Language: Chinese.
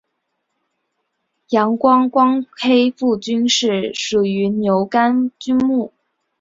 阳城光黑腹菌是属于牛肝菌目黑腹菌科光黑腹菌属的一种担子菌。